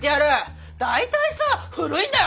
大体さ古いんだよ